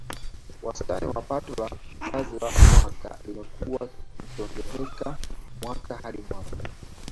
Wastani wa Pato la Mkazi kwa mwaka limekuwa likiongezeka mwaka hadi mwaka